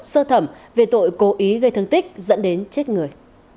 sơ thẩm về tội cố ý gây thương tích dẫn đến chết người